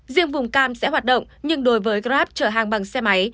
riêng vùng cam sẽ hoạt động nhưng đối với grab chở hàng bằng xe máy